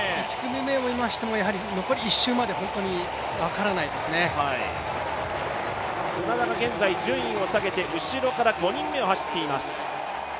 残り１周目を見ましても、砂田が現在順位を下げて後ろから５人目を走っています。